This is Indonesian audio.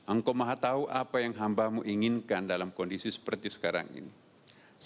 engkau maha tahu apa yang hambamu inginkan dalam kondisi seperti sekarang ini